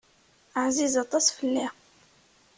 Ɛziz aṭas fell-i.